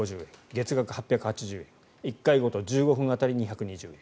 月額８８０円１回ごと１５分当たり２２０円